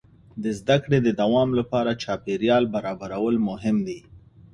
د زده کړې د دوام لپاره چاپېریال برابرول مهم دي.